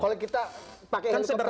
oke kalau kita pakai helikopter